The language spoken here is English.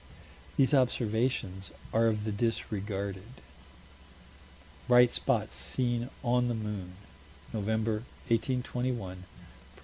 These observations are of the disregarded. Bright spots seen on the moon, November, 1821 (_Proc.